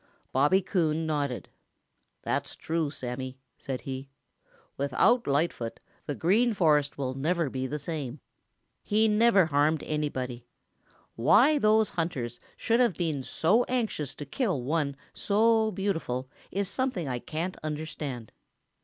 Bobby Coon nodded. "That's true, Sammy," said he. "Without Lightfoot, the Green Forest will never be the same. He never harmed anybody. Why those hunters should have been so anxious to kill one so beautiful is something I can't understand.